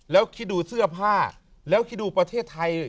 แล้วคิดดูเสื้อผ้าแล้วคิดดูประเทศไทย